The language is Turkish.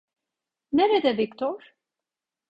Nerede Viktor?